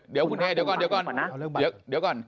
เดี๋ยวคุณเน่เดี๋ยวก่อนเดี๋ยวก่อน